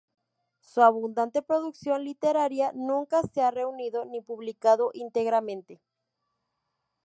Su abundante producción literaria nunca se ha reunido ni publicado íntegramente.